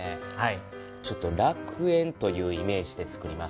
ちょっと楽園というイメージでつくりました。